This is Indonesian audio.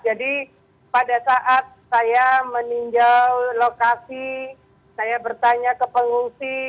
jadi pada saat saya meninjau lokasi saya bertanya ke pengungsi